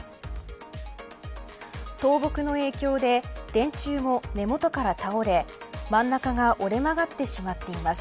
倒木の影響で電柱も根本から倒れ真ん中が折れ曲がってしまっています。